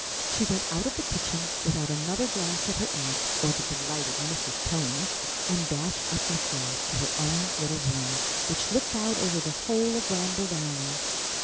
She went out of the kitchen without another glance at her aunt or the delighted Mrs. Tony and dashed up the stairs to her own little room which looked out over the whole of Ramble Valley.